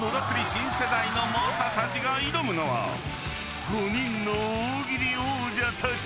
新世代の猛者たちが挑むのは５人の大喜利王者たち］